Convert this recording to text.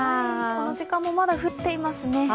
この時間もまだ降っていますね。